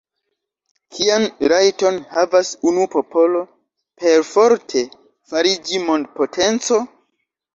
Kian rajton havas unu popolo perforte fariĝi mondpotenco?